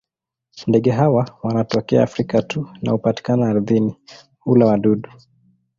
Ndege hawa wanatokea Afrika tu na hupatikana ardhini; hula wadudu.